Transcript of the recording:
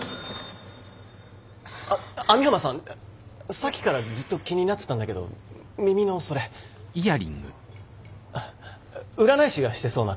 さっきからずっと気になってたんだけど耳のそれ占い師がしてそうな感じですね。